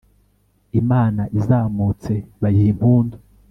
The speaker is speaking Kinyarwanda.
imana izamutse bayiha impundu